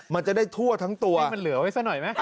มันจะได้ทั่วทั้งตัวให้มันเหลือไว้ซะหน่อยไหม